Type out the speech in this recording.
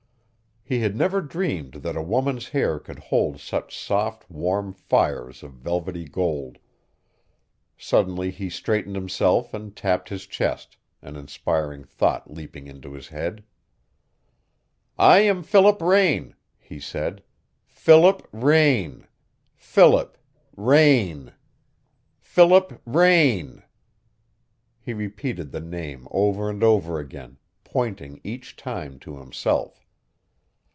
He had never dreamed that a woman's hair could hold such soft warm fires of velvety gold. Suddenly he straightened himself and tapped his chest, an inspiring thought leaping into his head. "I am Philip Raine," he said. "Philip Raine Philip Raine Philip Raine " He repeated the name over and over again, pointing each time to himself.